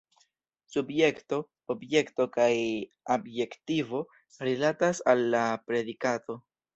Subjekto, objekto kaj adjektivo rilatas al la predikato.